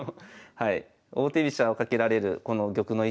王手飛車をかけられるこの玉の位置もね